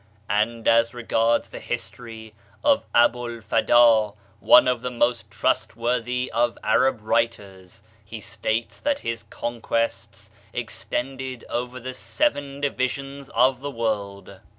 And as regards the history of Abu al Fada, one of the most trustworthy of Arab writers, he states that his conquests extended over the seven divisions of the world.